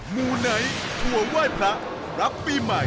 หมู่ไนท์ทั่วไหว้พระรับปีใหม่๒๕๖๑